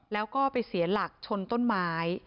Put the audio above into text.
แล้วก็ไปเสียหลักชนต้นไม้